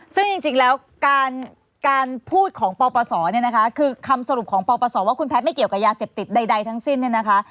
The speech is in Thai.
ซึ่งจริงแล้วการพูดของปปศเนี่ยนะคะคือคำสรุปของปปศว่าคุณแพทย์ไม่เกี่ยวกับยาเสพติดใดทั้งสิ้นเนี่ยนะคะ